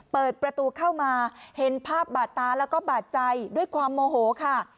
เปิดประตูเข้ามาเห็นภาพบาดตาแล้วก็บาดใจด้วยความโมโหค่ะ